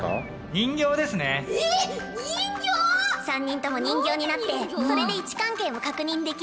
人形⁉３人とも人形になってそれで位置関係も確認できる。